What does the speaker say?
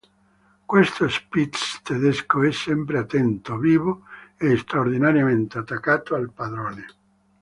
Questo Spitz tedesco è sempre attento, vivo e straordinariamente attaccato al padrone.